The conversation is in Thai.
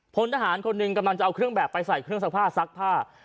พลทหารคนหนึ่งกำลังจะเอาเครื่องแบบไปใส่เครื่องซักผ้าซักผ้า